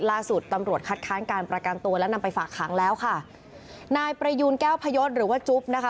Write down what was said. ล่าสุดตำรวจคัดค้านการประกันตัวและนำไปฝากขังแล้วค่ะนายประยูนแก้วพยศหรือว่าจุ๊บนะคะ